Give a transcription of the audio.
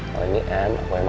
kalo ini m aku yang pake nanti